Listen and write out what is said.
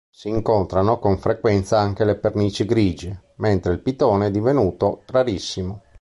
Si incontrano con frequenza anche le pernici grigie, mentre il pitone è divenuto rarissimo.